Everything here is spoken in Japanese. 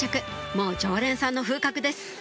もう常連さんの風格です